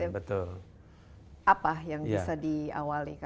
betul apa yang bisa diawali